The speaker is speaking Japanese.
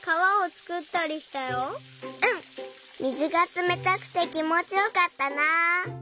うん水がつめたくてきもちよかったな。